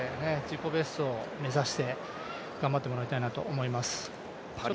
目指して頑張ってもらいたいなと思います。